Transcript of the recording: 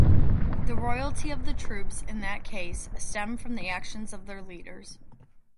The loyalty of the troops, in that case, stemmed from the actions of their leaders.